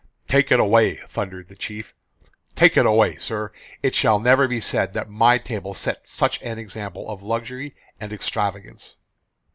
"Take it away," thundered the chief, "take it away, sir! It shall never be said that my table set such an example of luxury and extravagance."